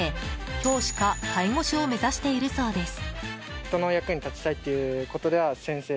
教師か介護士を目指しているそうです。